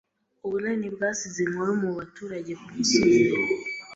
Ubunani bwasize inkuru mubaturage kumusozi